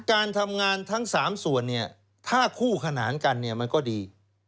การทำงานทั้ง๓ส่วนเนี่ยถ้าคู่ขนานกันเนี่ยมันก็ดี